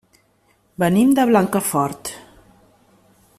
Venim de Blancafort.